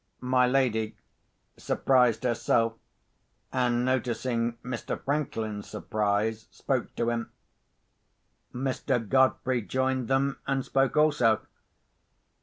My lady surprised herself, and noticing Mr. Franklin's surprise, spoke to him. Mr. Godfrey joined them, and spoke also.